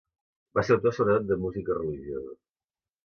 Va ser autor sobretot de música religiosa.